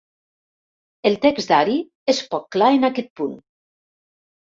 El text d'Ari és poc clar en aquest punt.